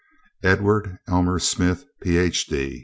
Edward Elmer Smith, Ph.